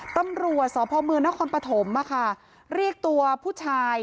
ตำรวจสพมนครปฐมเรียกตัวผู้ชาย